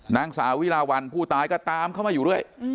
นางสาวิลาวันผู้ตายก็ตามเข้ามาอยู่ด้วย